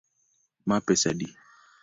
Ma pesa adi?